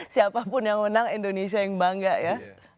siapapun yang menang indonesia yang bangga ya